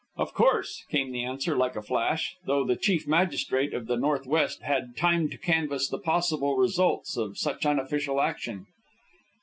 "Of course," came the answer like a flash, though the Chief Magistrate of the Northwest had had time to canvass the possible results of such unofficial action.